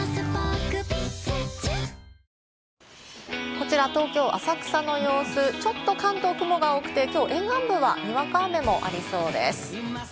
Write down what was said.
こちら東京・浅草の様子、ちょっと関東は雲が多くて、きょう沿岸部はにわか雨もありそうです。